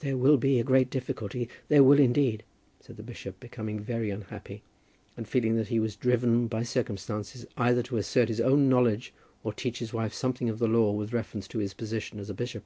"There will be a great difficulty; there will indeed," said the bishop, becoming very unhappy, and feeling that he was driven by circumstances either to assert his own knowledge or teach his wife something of the law with reference to his position as a bishop.